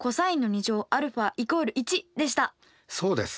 そうです。